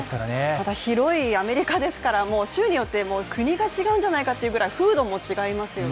ただ広いアメリカですから州によって国が違うんじゃないかってぐらい風土も違いますよね。